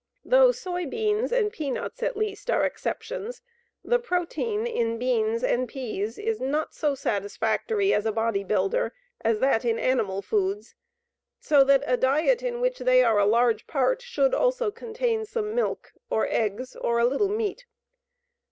Though soy beans and peanuts at least are exceptions, the protein in beans and peas is not so satisfactory as a bodybuilder as that in animal foods, so that a diet in which they are a large part should contain also some milk or eggs or a little meat.